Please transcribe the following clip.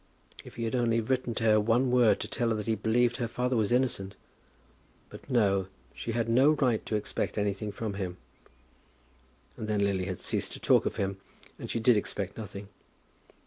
If he had only written to her one word to tell her that he believed her father was innocent! But no; she had no right to expect anything from him. And then Lily had ceased to talk of him, and she did expect nothing.